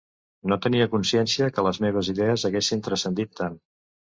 No tenia consciència que les meves idees haguessin transcendit tant.